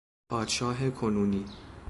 پادشاه کنونی